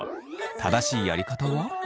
正しいやり方は。